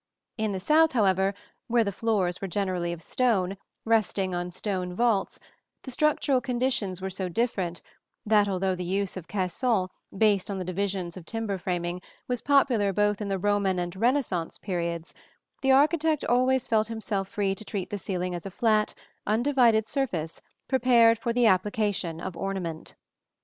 In the South, however, where the floors were generally of stone, resting on stone vaults, the structural conditions were so different that although the use of caissons based on the divisions of timber framing was popular both in the Roman and Renaissance periods, the architect always felt himself free to treat the ceiling as a flat, undivided surface prepared for the application of ornament.